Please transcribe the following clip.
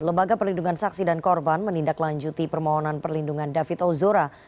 lembaga perlindungan saksi dan korban menindaklanjuti permohonan perlindungan david ozora